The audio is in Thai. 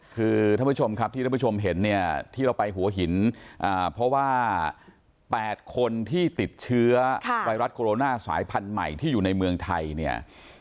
คือท่านผู้ชมครับที่ท่านผู้ชมเห็นเนี่ยที่เราไปหัวหินเพราะว่า๘คนที่ติดเชื้อไวรัสโคโรนาสายพันธุ์ใหม่ที่อยู่ในเมืองไทยเนี่ย